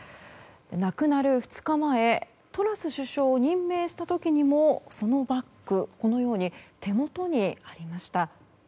亡くなる２日前トラス首相を任命した時にもそのバッグ、手元にありました。